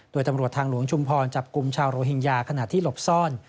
โดยตำรวจทางหลวงชุมพรจับกลุ่มชาวโรฮิงญาขณะที่หลบซ่อน